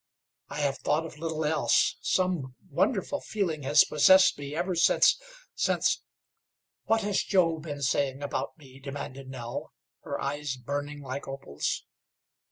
I have thought of little else. Some wonderful feeling has possessed me ever since since " "What has Joe been saying about me?" demanded Nell, her eyes burning like opals.